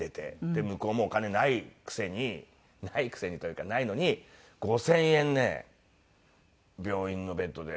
で向こうもお金ないくせにないくせにというかないのに５０００円ね病院のベッドで。